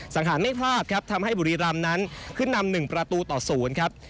สังหารไม่พลาดครับทำให้บุรีรำนั้นขึ้นนำ๑ประตูต่อ๐ครับ